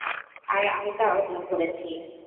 আর আমি তা অর্জন করেছি।